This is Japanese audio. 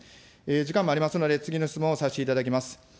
時間もありますので、次の質問をさせていただきます。